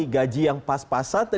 gaji yang pas pasat